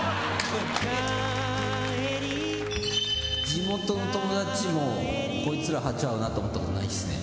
地元の友達もこいつら波長合うなって思ったことないですね。